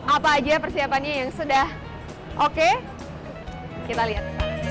apa aja persiapannya yang sudah oke kita lihat